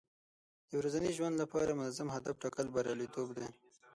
د ورځني ژوند لپاره منظم هدف ټاکل بریالیتوب دی.